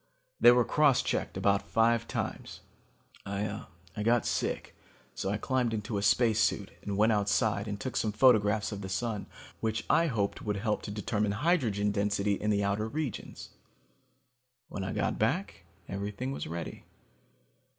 They were cross checked about five times. I got sick so I climbed into a spacesuit and went outside and took some photographs of the Sun which I hoped would help to determine hydrogen density in the outer regions. When I got back everything was ready.